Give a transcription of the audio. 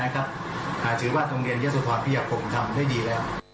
ขอบคุณครับ